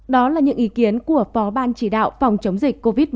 đó là những ý kiến của phó ban chỉ đạo phòng chống dịch covid một mươi chín